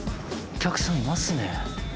お客さんいますね。